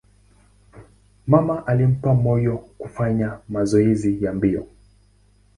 Mama alimpa moyo kufanya mazoezi ya mbio.